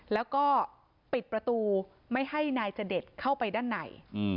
แล้วก็ปิดประตูไม่ให้นายจเดชเข้าไปด้านใน